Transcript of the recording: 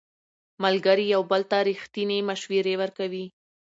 ملګري یو بل ته ریښتینې مشورې ورکوي